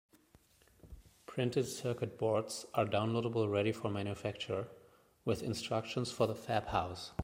Printed circuit boards are downloadable ready for manufacture, with instructions for the fabhouse.